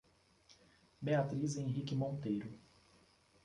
Beatriz Henrique Monteiro